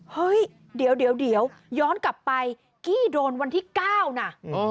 เฮ้ยเดี๋ยวย้อนกลับไปกี้โดนวันที่๙นะ